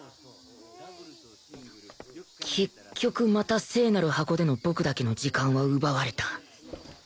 結局また聖なる箱での僕だけの時間は奪われた